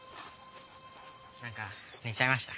なんか寝ちゃいました。